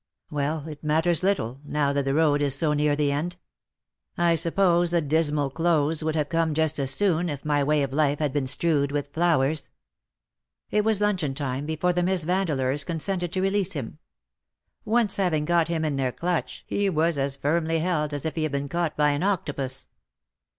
Well, it matters little, now that the road is so near the end. I suppose the dismal <jlose would have come just as soon if my way of life had been strewed with flowers.^^ It was luncheon time before the Miss Vande leurs consented to release him. Once having got him in their clutch he was as firmly held as if he had been caught by an octopus.